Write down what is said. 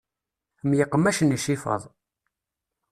Myeqmacen icifaḍ.